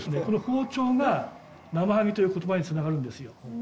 この包丁がナマハゲという言葉につながるんですよ。